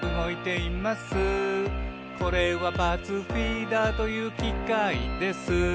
「これはパーツフィーダーというきかいです」